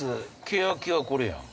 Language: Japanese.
ケヤキはこれやん。